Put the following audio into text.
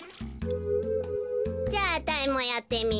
じゃああたいもやってみよう。